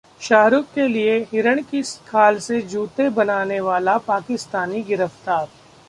शाहरुख के लिए हिरण की खाल से जूते बनाने वाला पाकिस्तानी गिरफ्तार